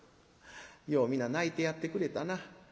「よう皆泣いてやってくれたな。